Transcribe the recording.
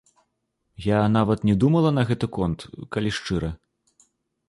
Я нават не думала на гэты конт, калі шчыра.